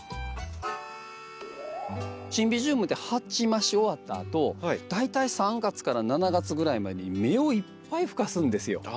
シンビジウムって鉢増し終わったあと大体３月から７月ぐらいまでに芽をいっぱい吹かすんですよ。